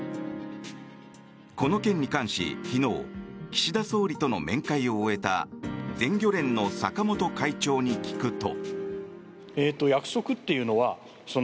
この件に関し、昨日岸田総理との面会を終えた全漁連の坂本会長に聞くと。